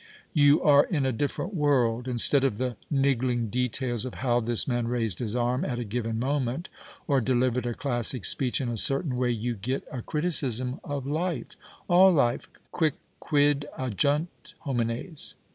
You are in a different world. Instead of the niggling details of how this man raised his arm at a given moment or delivered a classic speech in a certain way you get a criticism of life, all life, qidcquid agiini homines.